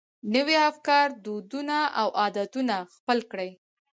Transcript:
نوي افکار، دودونه او عادتونه خپل کړي.